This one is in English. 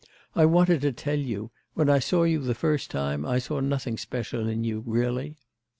I wanted to tell you: when I saw you the first time, I saw nothing special in you, really.